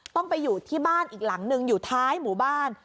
ต้องไปอยู่ที่บ้านอีกหลังนึงอยู่ท้ายหมู่บ้าน